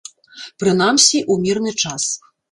Прынамсі ў мірны час.